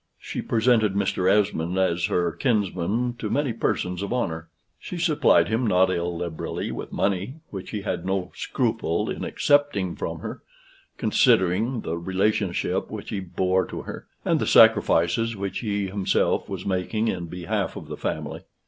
She presented Mr. Esmond as her kinsman to many persons of honor; she supplied him not illiberally with money, which he had no scruple in accepting from her, considering the relationship which he bore to her, and the sacrifices which he himself was making in behalf of the family.